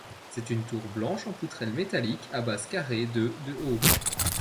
C'est une tour blanche en poutrelles métalliques, à base carrée, de de haut.